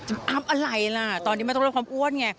จะอับอะไรล่ะตอนนี้มันต้องเรียกความอ้วนไง